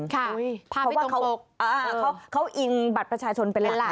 เพราะว่าเขาอิงบัตรประชาชนไปแล้วล่ะ